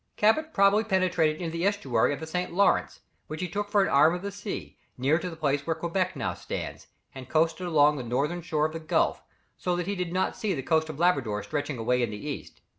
Cabot, probably penetrated into the estuary of the St. Lawrence, which he took for an arm of the sea, near to the place where Quebec now stands, and coasted along the northern shore of the gulf, so that he did not see the coast of Labrador stretching away in the east.